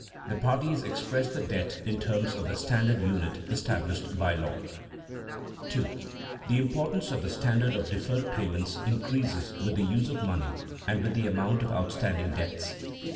The parties express the debt in terms of the standard unit established by law. [Sidenote: Increasing use of the interest contract] 2. _The importance of the standard of deferred payments increases with the use of money and with the amount of outstanding debts.